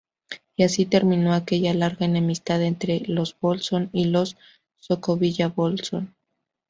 Y así terminó aquella larga enemistad entre los Bolsón y los Sacovilla-Bolsón.